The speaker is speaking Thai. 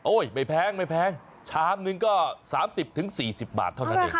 ไม่แพงไม่แพงชามหนึ่งก็๓๐๔๐บาทเท่านั้นเอง